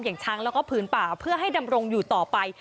อย่างช้างแล้วก็ผืนป่าเพื่อให้ดำรงอยู่ต่อไป